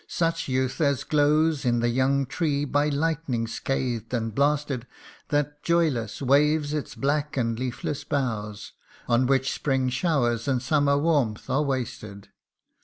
such youth as glows In the young tree by lightning scathed and blasted That, joyless, waves its black and leafless boughs, On which spring showers and summer warmth are wasted.